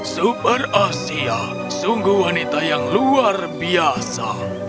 super asia sungguh wanita yang luar biasa